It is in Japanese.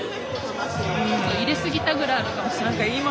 入れすぎたぐらいあるかもしれない。